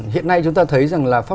hiện nay chúng ta thấy rằng là